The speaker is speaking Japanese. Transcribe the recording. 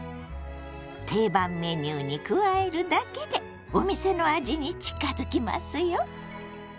定番メニューに加えるだけでお店の味に近づきますよ！